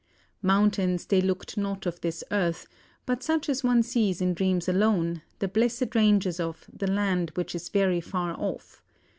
Mountains they looked not of this earth, but such as one sees in dreams alone, the blessed ranges of 'the land which is very far off.'